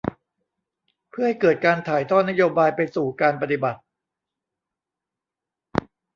เพื่อให้เกิดการถ่ายทอดนโยบายไปสู่การปฏิบัติ